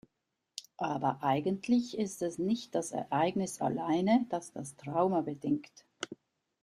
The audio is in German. Aber eigentlich ist es nicht das Ereignis alleine, das das Trauma bedingt.